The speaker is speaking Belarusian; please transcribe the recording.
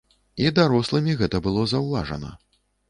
І дарослымі гэта было заўважана.